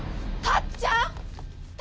⁉タッちゃん